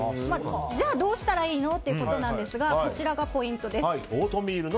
じゃあどうしたらいいの？ということなんですけどもこちらがポイントです。